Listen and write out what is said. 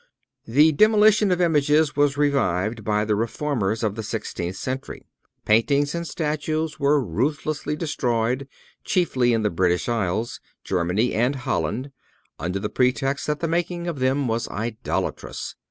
The demolition of images was revived by the Reformers of the sixteenth century. Paintings and statues were ruthlessly destroyed, chiefly in the British Isles, Germany and Holland, under the pretext that the making of them was idolatrous.